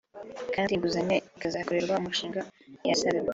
kandi inguzanyo ikazakoreshwa umushinga yasabiwe